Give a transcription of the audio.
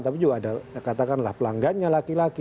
tapi juga ada katakanlah pelanggannya laki laki